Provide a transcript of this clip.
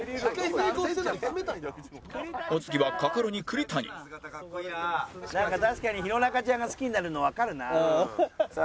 お次はカカロニ栗谷なんか確かに弘中ちゃんが好きになるのわかるなあ。